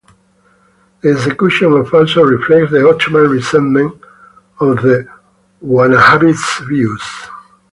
The execution of also reflects the Ottoman resentment of the Wahhabist views.